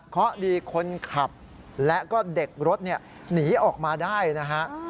เพราะดีคนขับและก็เด็กรถหนีออกมาได้นะฮะ